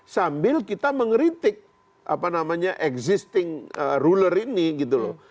sambil kita mengeritik apa namanya existing ruler ini gitu loh